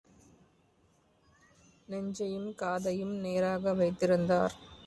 நெஞ்சையும் காதையும் நேராக வைத்திருந்தார்: